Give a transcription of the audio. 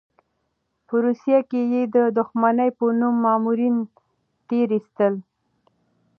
په روسيې کې یې د دښمنۍ په نوم مامورین تېر ایستل.